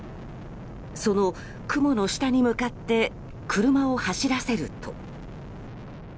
その雲の下に向かって車を走らせると。